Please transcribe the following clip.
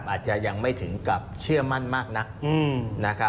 อาจจะยังไม่ถึงกับเชื่อมั่นมากนัก